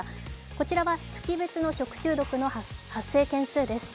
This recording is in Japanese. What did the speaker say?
こちらは月別の食中毒の発生件数です。